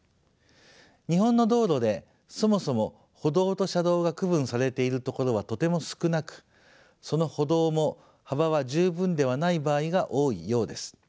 日本の道路でそもそも歩道と車道が区分されている所はとても少なくその歩道も幅は十分ではない場合が多いようです。